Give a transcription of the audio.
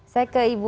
saya ke ibu